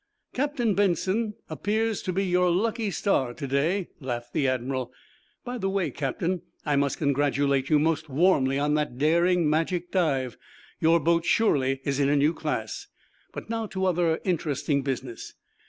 "Captain Benson appear's to be your lucky star to day," laughed the admiral. "By the way, captain, I must congratulate you most warmly on that daring, magic dive. Your boat is surely in a new class. But now to other interesting business.